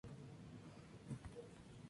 Son las secuaces de Úrsula.